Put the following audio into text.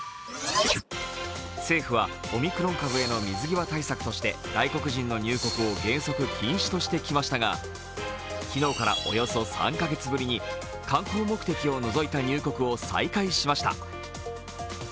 政府はオミクロン株への水際対策として外国人の入国を原則禁止としてきましたが、昨日からおよそ３カ月ぶりに観光目的を除いた入国を再開しました。